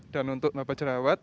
dan untuk bapak jerawat